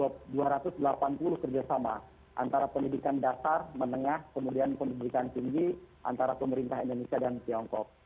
ada dua ratus delapan puluh kerjasama antara pendidikan dasar menengah kemudian pendidikan tinggi antara pemerintah indonesia dan tiongkok